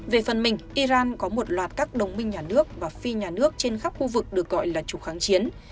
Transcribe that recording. về phần mình iran có một loạt các đồng minh nhà nước và phi nhà nước trên khắp khu vực được gọi là trục kháng chiến